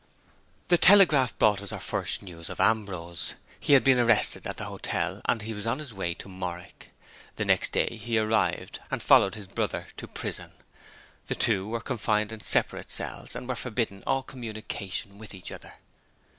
The telegraph brought us our first news of Ambrose. He had been arrested at the hotel, and he was on his way to Morwick. The next day he arrived, and followed his brother to prison. The two were confined in separate cells, and were forbidden all communication with each other.